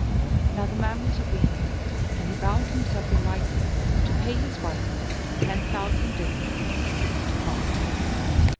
Now the man was a Weaver and he bound himself in writing to pay his wife ten thousand dirhams in case of default.